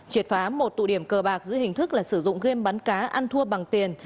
triệt phá một tụ điểm cờ bạc giữ hình thức là sử dụng ghen bán cá ăn thua bằng tiền